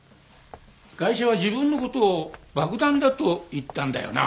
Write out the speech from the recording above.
ガイシャは自分の事を爆弾だと言ったんだよな？